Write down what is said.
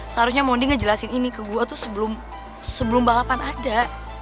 seharusnya modi ngejelasin ini ke gue tuh sebelum balapan ada